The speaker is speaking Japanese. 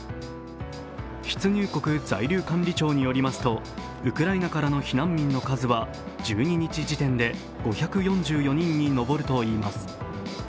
出入国在留管理庁によりますと、ウクライナからの避難民の数は１２日時点で、５４４人に上るといいます。